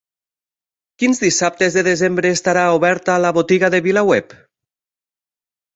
Quins dissabtes de desembre estarà oberta la Botiga de VilaWeb?